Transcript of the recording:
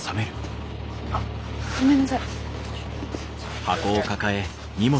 あっごめんなさい。